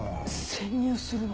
潜入するの？